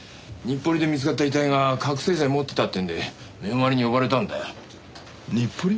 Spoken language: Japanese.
日暮里で見つかった遺体が覚醒剤持ってたってんで面割に呼ばれたんだよ。